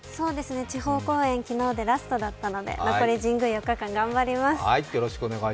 地方公演、昨日ラストだったので残り神宮、頑張ります。